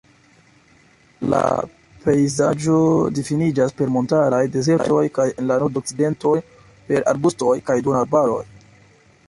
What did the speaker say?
La pejzaĝo difiniĝas per montaraj dezertoj kaj en la nord-okcidento per arbustoj kaj duonarbaroj.